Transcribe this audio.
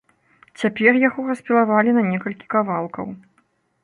Цяпер яго распілавалі на некалькі кавалкаў.